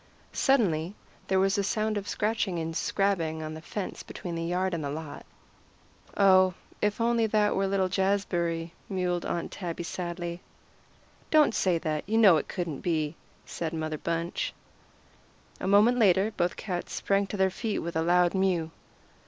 Suddenly there was a sound of scratching and scrabbling on the fence between the yard and the lot. "Oh, if that were only little Jazbury," mewed Aunt Tabby sadly. "Don't say that; you know it couldn't be," said Mother Bunch. A moment later both cats sprang to their feet with a loud mew.